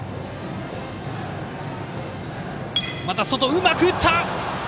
うまく打った！